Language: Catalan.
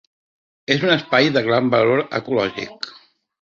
És un espai de gran valor ecològic.